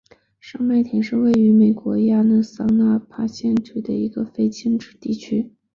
上麦田是位于美国亚利桑那州阿帕契县的一个非建制地区。